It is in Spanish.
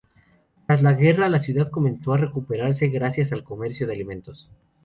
Tras la guerra, la ciudad comenzó a recuperarse, gracias al comercio de alimentos.